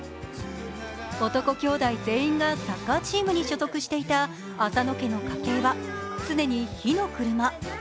男兄弟全員がサッカーチームに所属していた浅野家の家計は常に火の車。